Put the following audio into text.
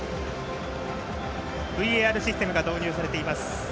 ＶＡＲシステムが導入されてます。